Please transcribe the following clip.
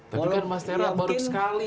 tapi kan mas tera buruk sekali